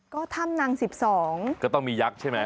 ก็ถ้ำนาง๑๒ก็ต้องมียักษ์ใช่ไหม